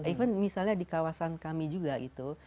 even misalnya di kawasan kami juga gitu